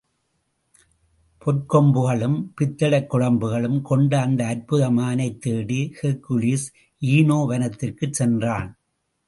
பொற்கொம்புகளும் பித்தளைக் குளம்புகளும் கொண்ட அந்த அற்புத மானைத் தேடி ஹெர்க்குலிஸ் ஈனோ வனத்திற்குச் சென்றான்.